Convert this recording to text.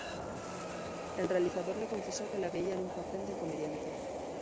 El realizador le confesó que la veía en un papel de comediante.